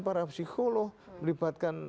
para psikolog melibatkan